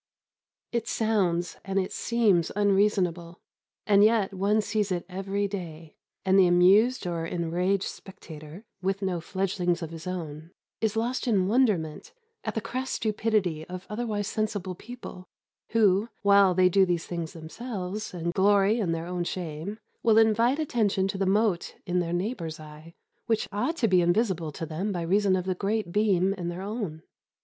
It sounds, and it seems, unreasonable, and yet one sees it every day, and the amused or enraged spectator, with no fledglings of his own, is lost in wonderment at the crass stupidity of otherwise sensible people, who, while they do these things themselves, and glory in their own shame, will invite attention to the mote in their neighbour's eye, which ought to be invisible to them by reason of the great beam in their own.